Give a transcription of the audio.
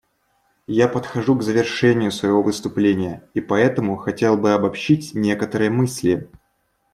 Я подхожу к завершению своего выступления, и поэтому хотел бы обобщить некоторые мысли.